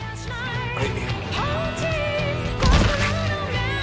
はい。